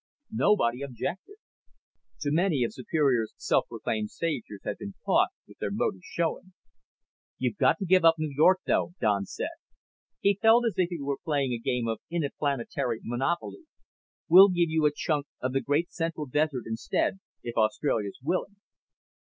Nobody objected. Too many of Superior's self proclaimed saviors had been caught with their motives showing. "You've got to give up New York, though," Don said. He felt as if he were playing a game of interplanetary Monopoly. "Well give you a chunk of the great central desert instead, if Australia's willing.